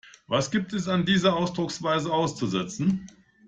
Was gibt es an dieser Ausdrucksweise auszusetzen?